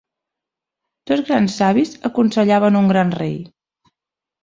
Dos grans savis aconsellaven un gran rei.